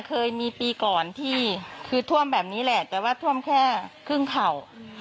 เคยมีปีก่อนที่คือท่วมแบบนี้แหละแต่ว่าท่วมแค่ครึ่งเข่า